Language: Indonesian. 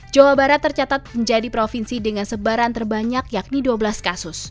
jawa barat tercatat menjadi provinsi dengan sebaran terbanyak yakni dua belas kasus